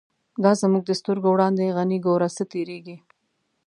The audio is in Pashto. دا زمونږ د سترگو وړاندی، «غنی » گوره څه تیریږی